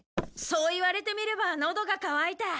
そう言われてみればのどがかわいた。